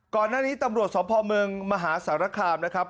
ก่อนหน้านี้ตำรวจสพเมืองมหาสารคามนะครับ